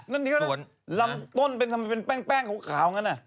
นั่นดีกว่าลำต้นทำไมเป็นแป้งขาวอย่างนั้น